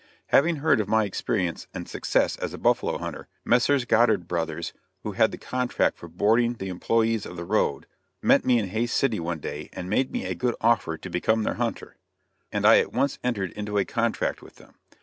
Having heard of my experience and success as a buffalo hunter, Messrs. Goddard Brothers, who had the contract for boarding the employees of the road, met me in Hays City one day and made me a good offer to become their hunter, and I at once entered into a contract with them.